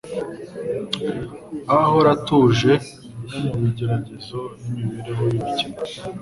uko ahora atuje no mu bigeragezo n'imibereho y'ubukene.